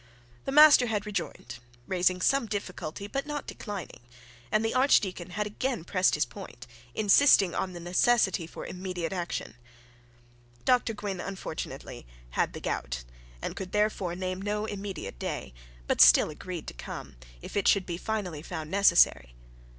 The master had rejoined, raising some difficulty, but not declining; and the archdeacon again pressed his point, insisting on the necessity for immediate action. Dr Gwynne unfortunately had the gout, and could therefore name no immediate day, but still agreed to come, if it should be finally found necessary.